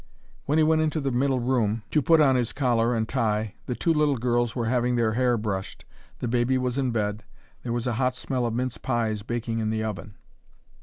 When he went into the middle room to put on his collar and tie, the two little girls were having their hair brushed, the baby was in bed, there was a hot smell of mince pies baking in the oven.